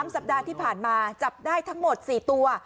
สัปดาห์ที่ผ่านมาจับได้ทั้งหมด๔ตัว